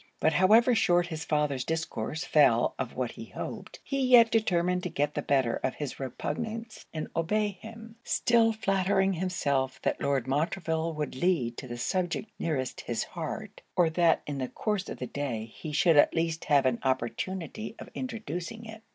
But however short his father's discourse fell of what he hoped, he yet determined to get the better of his repugnance and obey him; still flattering himself that Lord Montreville would lead to the subject nearest his heart, or that in the course of the day he should at least have an opportunity of introducing it.